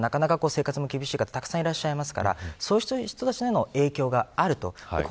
なかなか生活が厳しい方もいらっしゃいますからそういう人たちへの影響がある。